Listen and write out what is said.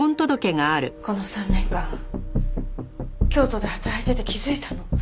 この３年間京都で働いてて気づいたの。